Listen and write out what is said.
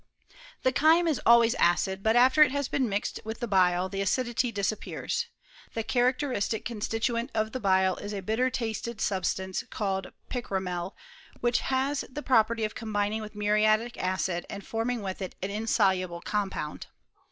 The chyme ia always acid; but after it has been mixed with the bile, the acidity disappears. The characteristic constituent of the bile is a bitter tasted substance cnWed picromel, which has the pro perty of combining with muriatic acid, and forming with it an insoluble compound.